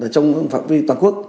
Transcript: trong phạm vi toàn quốc